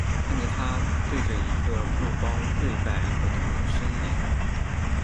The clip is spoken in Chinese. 看着他对着一个布包跪拜和痛苦呻吟。